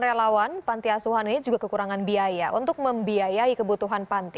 relawan panti asuhan ini juga kekurangan biaya untuk membiayai kebutuhan panti